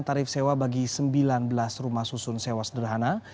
tarif sewa bagi sembilan belas rumah susun sewa sederhana